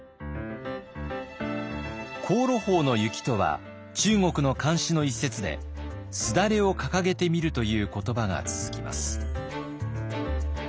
「香炉峰の雪」とは中国の漢詩の一節で「すだれをかかげてみる」という言葉が続きます。